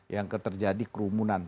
yang terjadi kerumunan